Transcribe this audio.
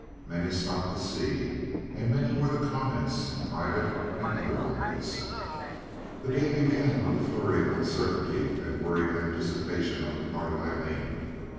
Many stopped to see, and many were the comments, private and otherwise. This day began with a flurry of uncertainty and worried anticipation on the part of Aileen.